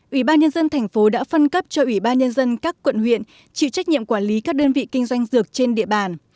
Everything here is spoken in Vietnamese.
ủy ban nhân dân thành phố đã phân cấp cho ủy ban nhân dân các quận huyện chịu trách nhiệm quản lý các đơn vị kinh doanh dược trên địa bàn